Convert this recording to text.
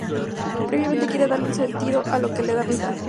Previamente, quiere darle un sentido a lo que le queda de vida.